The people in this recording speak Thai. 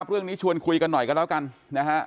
เรื่องนี้ชวนคุยกันหน่อยกันแล้วกันนะฮะ